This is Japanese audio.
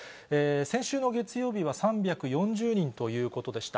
先週の月曜日は３４０人ということでした。